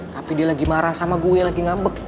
tapi dia lagi marah sama gue lagi ngambek